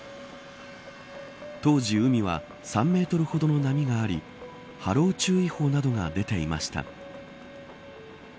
当時、海は３メートルほどの波があり波浪注意報などが出ていました。